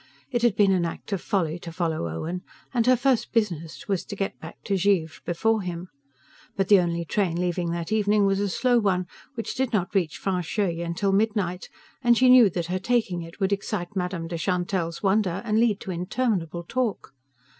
It had been an act of folly to follow Owen, and her first business was to get back to Givre before him. But the only train leaving that evening was a slow one, which did not reach Francheuil till midnight, and she knew that her taking it would excite Madame de Chantelle's wonder and lead to interminable talk.